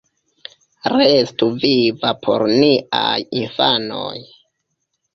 Restu viva por niaj infanoj!